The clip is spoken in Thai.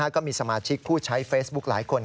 ก็มีสมาชิกผู้ใช้เฟซบุ๊คหลายคน